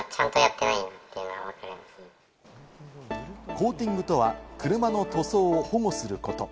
コーティングとは車の塗装を保護すること。